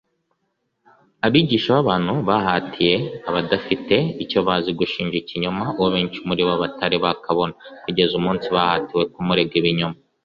abigisha b’abantu bahatiye abadafite icyo bazi gushinja ikinyoma uwo benshi muri bo batari bakabona, kugeza umunsi bahatiwe kumurega ibinyoma